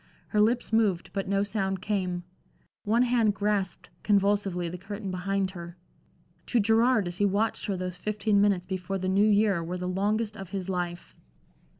Her lips moved, but no sound came; one hand grasped convulsively the curtain behind her. To Gerard as he watched her those fifteen minutes before the New Year were the longest of his life.